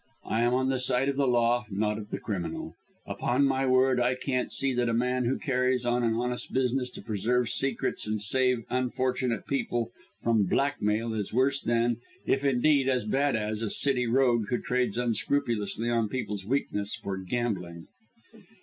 I am on the side of the law, not of the criminal. Upon my word, I can't see that a man who carries on an honest business to preserve secrets and to save unfortunate people from blackmail is worse than if indeed as bad as a City rogue who trades unscrupulously on people's weakness for gambling."